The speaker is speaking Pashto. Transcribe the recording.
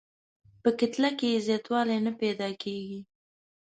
په کتله کې یې زیاتوالی نه پیدا کیږي.